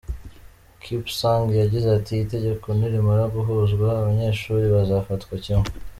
Kipsang yagize ati "Itegeko nirimara guhuzwa, abanyeshuri bazafatwa kimwe.